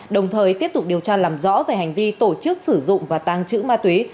đồng thời tiếp tục điều tra làm rõ về hành vi tổ chức sử dụng và tàng trữ ma túy